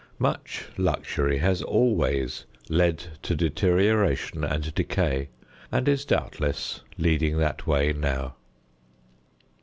Much luxury has always led to deterioration and decay and is doubtless leading that way now.